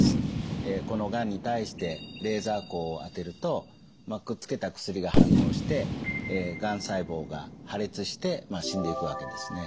このがんに対してレーザー光を当てるとくっつけた薬が反応してがん細胞が破裂して死んでいくわけですね。